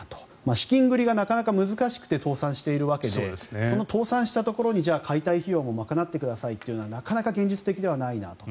資金繰りがなかなか難しくて倒産しているわけでその倒産したところに解体費用も賄ってくださいというのはなかなか現実的ではないなと。